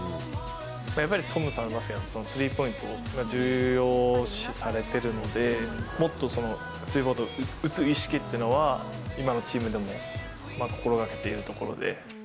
やっぱりトムさんのバスケは、スリーポイントを重要視されているので、もっとスリーポイントを打つ意識っていうのは、今のチームでも心がけているところで。